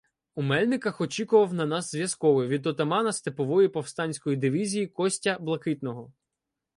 У Мельниках очікував на нас зв'язковий від отамана Степової повстанської дивізії Костя Блакитного.